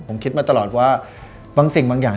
ผมคิดมาตลอดว่าบางสิ่งบางอย่าง